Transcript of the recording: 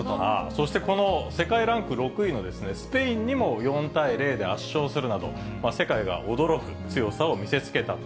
そしてこの世界ランク６位のスペインにも４対０で圧勝するなど、世界が驚く強さを見せつけたと。